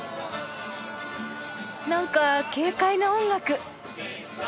なんか軽快な音楽。